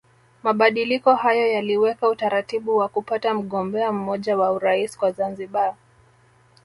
Mabadiliko hayo yaliweka utaratibu wa kupata mgombea mmoja wa Urais kwa Zanzibar